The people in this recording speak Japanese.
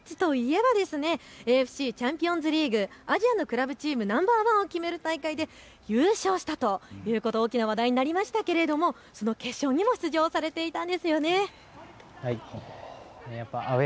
浦和レッズといえばＡＦＣチャンピオンズリーグ、アジアのクラブチーム、ナンバー１を決める大会で優勝したということでこの決勝にも出場されていたんですよね。